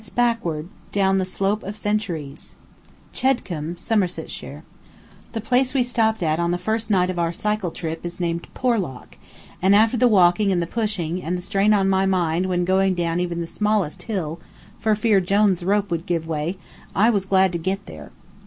Letter Number Ten CHEDCOMBE, SOMERSETSHIRE The place we stopped at on the first night of our cycle trip is named Porlock, and after the walking and the pushing, and the strain on my mind when going down even the smallest hill for fear Jone's rope would give way, I was glad to get there.